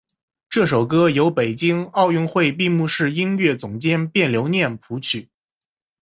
这首歌由北京奥运会闭幕式音乐总监卞留念谱曲。